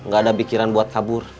gak ada pikiran buat kabur